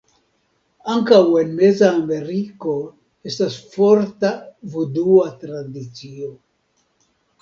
Ankaŭ en meza Ameriko estas forta vudua tradicio.